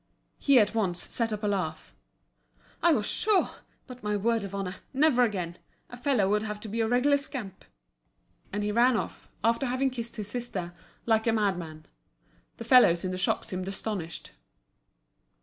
He at once set up a laugh. "I was sure—But my word of honour! never again! A fellow would have to be a regular scamp." And he ran off, after having kissed his sister, like a madman. The fellows in the shop seemed astonished.